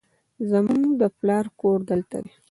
زموږ د پلار کور دلته دی